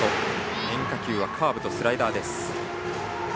変化球はカーブ、スライダーです。